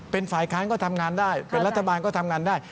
เป็นฝ่ายค้านก็ทำงานได้เป็นรัฐบาลก็ทำงานได้